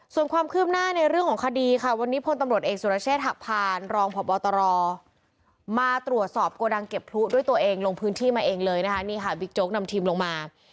ส่วนความคืบหน้าในเรื่องของคดีค่ะวันนี้พลตำรวจเอกสุรเชษฐหักพานรองพบตรมาตรวจสอบโกดังเก็บพลุด้วยตัวเองลงพื้นที่มาเองเลยนะคะนี่ค่ะบิ๊กโจ๊กนำทีมลงมา